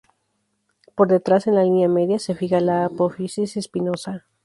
Por detrás, en la línea media, se fija la apófisis espinosa.